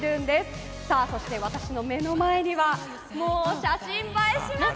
そして私の目の前にはもう、写真映えしますね！